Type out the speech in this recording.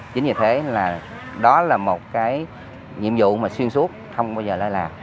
chính vì thế là đó là một cái nhiệm vụ mà xuyên suốt không bao giờ lơ là